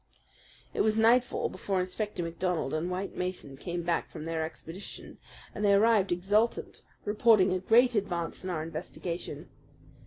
It was nightfall before Inspector MacDonald and White Mason came back from their expedition, and they arrived exultant, reporting a great advance in our investigation.